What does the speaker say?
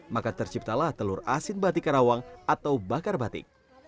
maka terciptalah telur asin batik karawang atau bakar batik